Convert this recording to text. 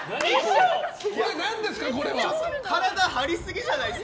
体張りすぎじゃないですか？